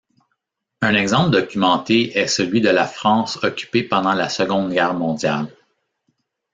Un exemple documenté est celui de la France occupée pendant la Seconde Guerre mondiale.